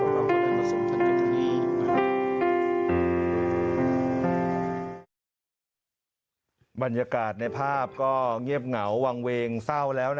ปฏิเสธเรียบร้อยแล้ว